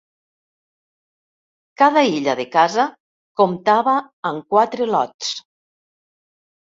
Cada illa de casa comptava amb quatre lots.